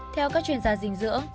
theo các chuyên gia dinh dưỡng